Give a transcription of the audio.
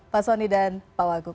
pak soni dan pak wagub